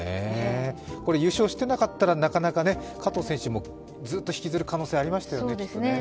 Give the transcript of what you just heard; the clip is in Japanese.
優勝してなかったら、なかなか加藤選手もずっと引きずる可能性ありましたよね。